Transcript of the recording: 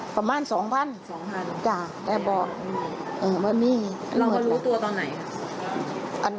ประมาณสองพันสองพันจ้ะแกบอกเออว่ามีเราก็รู้ตัวตอนไหน